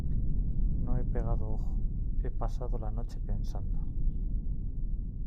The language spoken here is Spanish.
no he pegado ojo. me he pasado la noche pensando